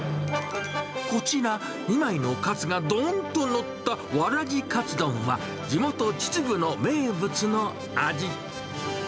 こちら、２枚のカツがどんと載った、わらじかつ丼は、地元、秩父の名物の味。